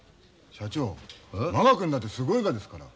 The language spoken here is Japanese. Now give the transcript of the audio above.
社長満賀くんだってすごいがですから。